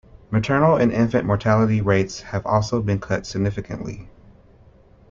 Maternal and infant mortality rates have also been cut significantly.